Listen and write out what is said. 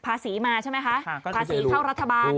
ภาษีมาใช่ไหมคะภาษีเข้ารัฐบาล